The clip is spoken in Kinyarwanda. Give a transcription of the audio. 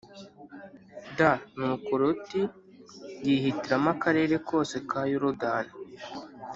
dNuko Loti yihitiramo Akarere kose ka Yorodani